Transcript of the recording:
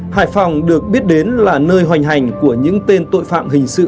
hải phòng được biết đến là nơi hoành hành của những tên tội phạm hình sự